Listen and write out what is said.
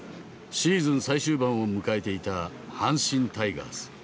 シーズン最終盤を迎えていた阪神タイガース。